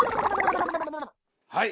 はい。